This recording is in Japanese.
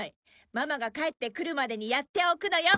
ママが帰ってくるまでにやっておくのよ！